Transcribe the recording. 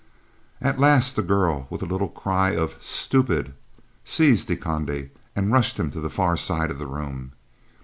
At last the girl, with a little cry of "stupid," seized De Conde and rushed him to the far side of the room.